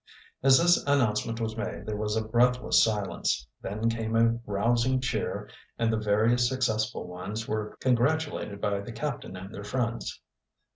As this announcement was made there was a breathless silence. Then came a rousing cheer and the various successful ones were congratulated by the captain and their friends.